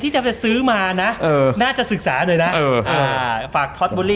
ทีมยังไม่เข้าใจวัฒนธรรมค์สะโมสร